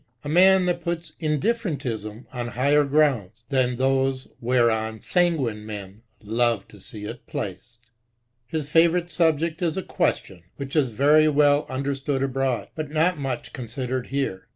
a man that puts indifferentism on higher grounds than those whereon sanguine men love to see it placed. His favourite subject is a question, which is very well understood abroad, but not much con sidered here.